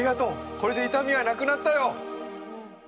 これで痛みはなくなったよ。